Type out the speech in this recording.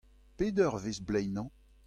Pet eurvezh bleinañ ?